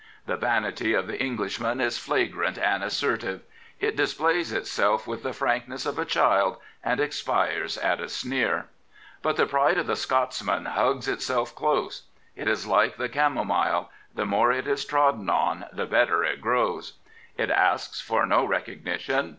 The vanity of the Englishman is flagrant and assertive. It displays itself with the frankness of a child, and expires at a sneer. But the pride pj[^^he Scotsi^ian hugs jjself dose. H i^ike the cwPJ^fta^ the more it is trodden on the better i^jgjpws. It ask s for no recognition.